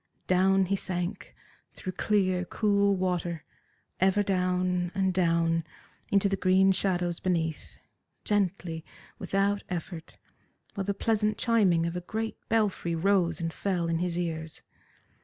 Down he sank, through clear, cool water, ever down and down into the green shadows beneath, gently, without effort, while the pleasant chiming of a great belfry rose and fell in his ears.